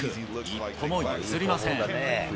一歩も譲りません。